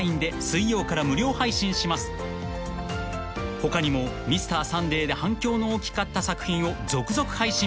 ［他にも『Ｍｒ．サンデー』で反響の大きかった作品を続々配信！